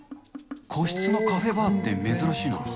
個室のカフェバーって珍しいな。